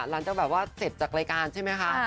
หลังจากแบบว่าเสร็จจากรายการใช่ไหมคะ